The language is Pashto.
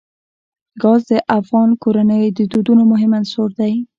ګاز د افغان کورنیو د دودونو مهم عنصر دی.